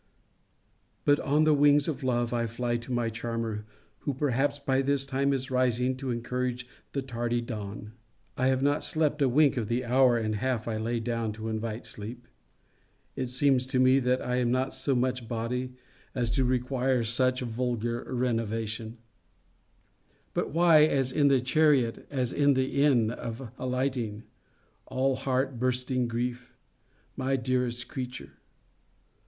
But, on the wings of love, I fly to my charmer, who perhaps by this time is rising to encourage the tardy dawn. I have not slept a wink of the hour and half I lay down to invite sleep. It seems to me, that I am not so much body, as to require such a vulgar renovation. But why, as in the chariot, as in the inn, at alighting, all heart bursting grief, my dearest creature?